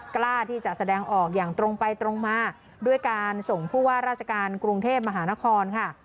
กล้าที่จะแสดงออกอย่างตรงไปตรงมาด้วยการส่งผู้ว่าราชการกรุงเทพมหานครค่ะ